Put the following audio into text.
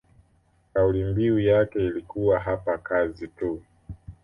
kauli mbiu yake ilikuwa hapa kazi tu